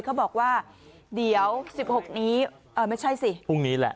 เขาบอกว่าเดี๋ยว๑๖นี้ไม่ใช่สิพรุ่งนี้แหละ